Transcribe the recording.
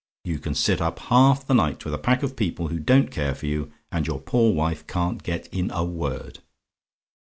You can sit up half the night with a pack of people who don't care for you, and your poor wife can't get in a word!